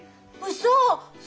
うそ！